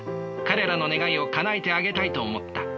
彼らの願いをかなえてあげたいと思った。